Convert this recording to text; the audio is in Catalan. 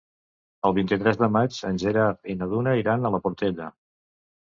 El vint-i-tres de maig en Gerard i na Duna iran a la Portella.